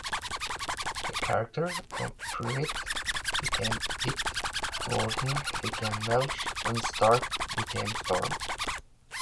The character of Prewitt became Witt, Warden became Welsh and Stark became Storm.